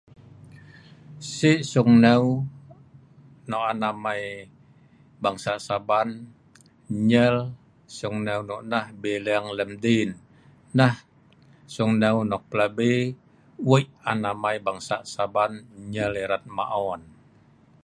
Si sungneu nok an amai bangsa saban nyer ,sungneu noknah bileng lem din, nah sungneu nok pelabi wei an amai bangsa saban nyer erat maon